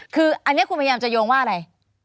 คืออันนี้คุณพยายามจะโยงว่าอะไร